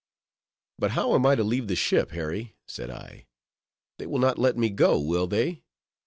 "But how am I to leave the ship, Harry?" said I; "they will not let me go, will they?